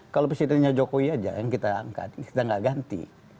kalau presidennya jokowi aja yang kita angkat kita nggak ganti